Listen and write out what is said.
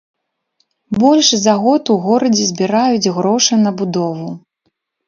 Больш за год у горадзе збіраюць грошы на будову.